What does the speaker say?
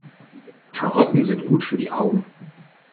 Karotten sind gut für die Augen.